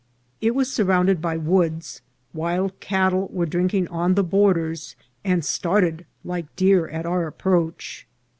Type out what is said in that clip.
It was sur rounded by woods ; wild cattle were drinking on the borders, and started like deer at our approach.